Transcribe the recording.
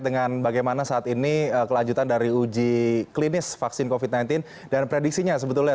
dengan bagaimana saat ini kelanjutan dari uji klinis vaksin covid sembilan belas dan prediksinya sebetulnya